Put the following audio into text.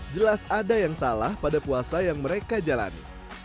jelas ada yang salah pada puasa yang mereka jalani